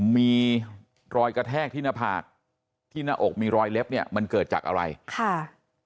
มีรอยกระแทกที่หน้าผากที่หน้าอกมีรอยเล็บเนี่ยมันเกิดจากอะไรค่ะ